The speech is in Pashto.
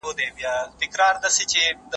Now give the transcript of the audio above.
که ته راسره وای، ما به هېڅکله ماتې نه وه خوړلې.